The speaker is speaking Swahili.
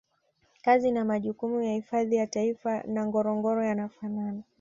kazi na majukumu ya hifadhi ya Taifa na Ngorongoro yanafanana